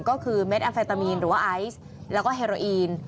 ก็คือเม็ดแอฟเฟตามีนหรือว่าไอซ์แล้วก็เฮโรอีน